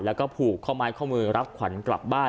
แล้วก็ผูกข้อไม้ข้อมือรับขวัญกลับบ้าน